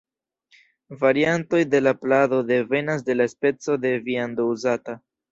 Variantoj de la plado devenas de la speco de viando uzata.